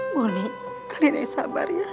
bonny kalian yang sabar ya